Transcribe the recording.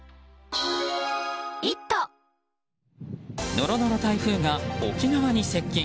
ノロノロ台風が沖縄に接近。